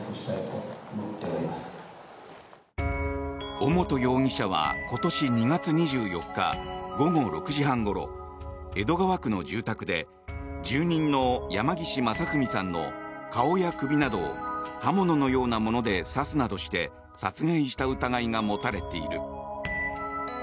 尾本容疑者は今年２月２４日午後６時半ごろ江戸川区の住宅で住人の山岸正文さんの顔や首などを刃物のようなもので刺すなどして殺害した疑いが持たれている。